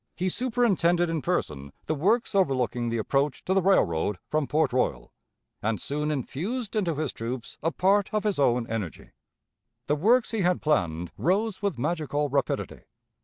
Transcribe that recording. He superintended in person the works overlooking the approach to the railroad from Port Royal, and soon infused into his troops a part of his own energy. The works he had planned rose with magical rapidity.